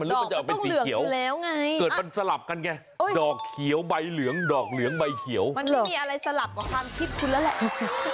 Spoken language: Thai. อาจจะเปลี่ยนหรือเปล่าจากใบอ่อนอาจจะเปลี่ยนเป็นใบเขียวก็ได้